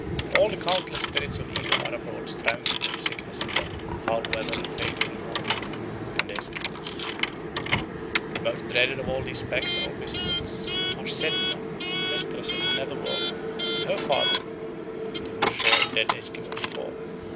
All the countless spirits of evil are abroad striving to bring sickness and death, foul weather and failure in hunting on the Esquimaux. Most dreaded of all these spectral visitants are Sedna, mistress of the nether world, and her father, to whose share dead Esquimaux fall.